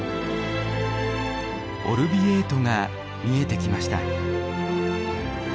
オルヴィエートが見えてきました。